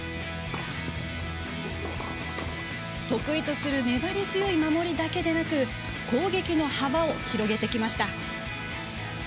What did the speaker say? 得意とする粘り強い守りだけでなく攻撃の幅を広げてきました。